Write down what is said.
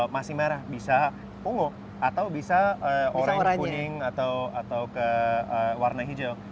masih merah bisa ungu atau bisa orange kuning atau ke warna hijau